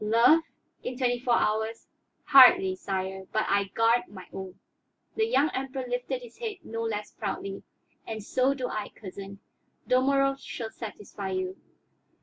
"Love? In twenty four hours? Hardly, sire; but I guard my own." The young Emperor lifted his head no less proudly. "And so do I, cousin. Dalmorov shall satisfy you."